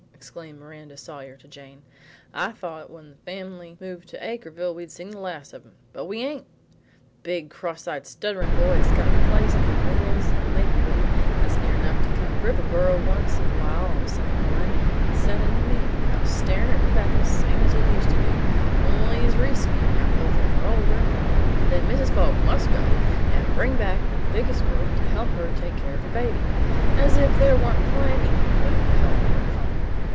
exclaimed Miranda Sawyer to Jane. "I thought when the family moved to Acreville we'd seen the last of em, but we ain't! The big, cross eyed, stutterin' boy has got a place at the mills in Maplewood; that's near enough to come over to Riverboro once in a while of a Sunday mornin' and set in the meetin' house starin' at Rebecca same as he used to do, only it's reskier now both of em are older. Then Mrs. Fogg must go and bring back the biggest girl to help her take care of her baby, as if there wa'n't plenty of help nearer home!